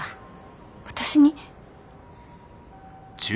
私に？